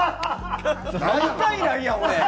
毎回ないやん俺。